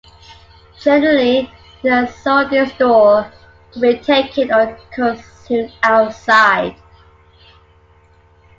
Generally, these are sold in-store to be taken or consumed outside.